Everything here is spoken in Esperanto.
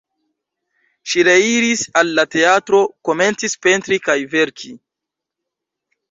Ŝi reiris al la teatro, komencis pentri kaj verki.